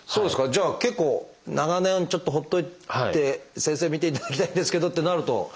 じゃあ結構長年ちょっと放っといて「先生診ていただきたいんですけど」ってなると。